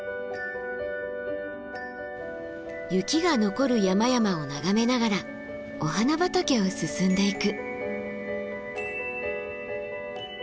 雪が残る山々を眺めながらお花畑を進んでいく。